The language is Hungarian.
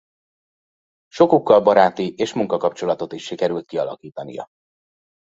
Sokukkal baráti és munkakapcsolatot is sikerült kialakítania.